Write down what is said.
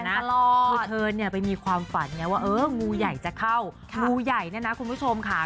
แรงตลอดคือเธอเนี้ยไปมีความฝันเนี้ยว่าเอองูใหญ่จะเข้าค่ะงูใหญ่น่ะน่ะคุณผู้ชมค่ะ